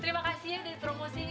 terima kasih yang ditromosikan